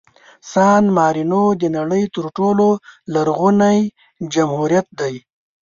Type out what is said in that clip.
سان مارینو د نړۍ تر ټولو لرغوني جمهوریت دی.